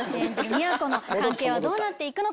美和子の関係はどうなっていくのか。